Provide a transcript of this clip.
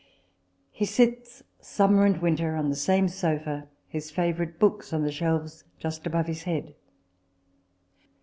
He sits, summer and winter, on the same sofa, his favourite books on the shelves just over his head.